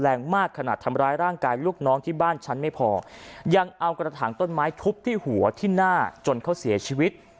แรงมากขนาดทำร้ายร่างกายลูกน้องที่บ้านฉันไม่พอยังเอากระถางต้นไม้ทุบที่หัวที่หน้าจนเขาเสียชีวิต